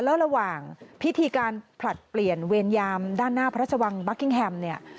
แล้วระหว่างพิธีการผลัดเปลี่ยนเวรยามด้านหน้าพระชวังบัคกิ้งแฮมเนี่ย